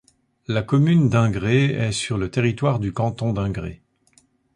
La commune d'Ingré est sur le territoire du canton d'Ingré.